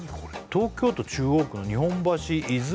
東京都中央区の日本橋いづ